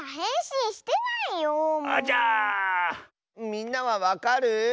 みんなはわかる？